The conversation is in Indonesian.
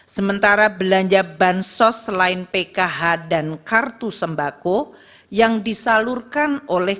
sementara belanja bansos selain pkh dan kartu sembako yang disalurkan oleh